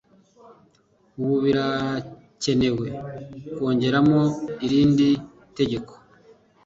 Ubu birakenewe kongeramo irindi tegeko.